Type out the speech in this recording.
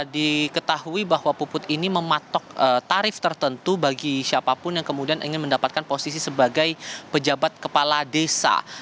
diketahui bahwa puput ini mematok tarif tertentu bagi siapapun yang kemudian ingin mendapatkan posisi sebagai pejabat kepala desa